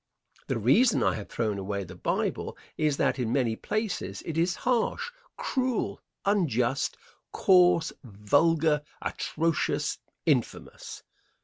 The reason I have thrown away the Bible is that in many places it is harsh, cruel, unjust, coarse, vulgar, atrocious, infamous.